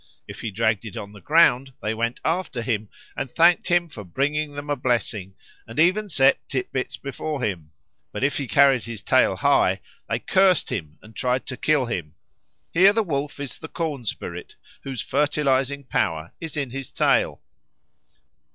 If he dragged it on the ground, they went after him, and thanked him for bringing them a blessing, and even set tit bits before him. But if he carried his tail high, they cursed him and tried to kill him. Here the wolf is the corn spirit whose fertilising power is in his tail.